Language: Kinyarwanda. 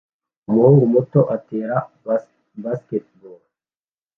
umuhungu muto atera basketball